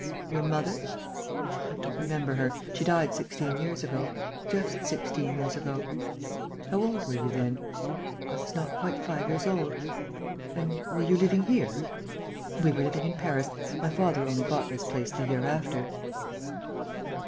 "Your mother?..." "I don't remember her. She died sixteen years ago ... just sixteen years ago." "How old were you then?" "I was not quite five years old." "And were you living here?" "We were living in Paris. My father only bought this place the year after."